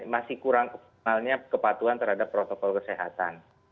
masih kurang optimalnya kepatuhan terhadap protokol kesehatan